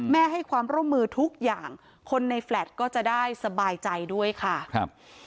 ให้ความร่วมมือทุกอย่างคนในแฟลตก็จะได้สบายใจด้วยค่ะครับ